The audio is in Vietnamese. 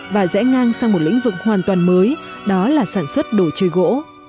và rẽ ngang sang một lĩnh vực hoàn toàn mới đó là sản xuất đồ chơi gỗ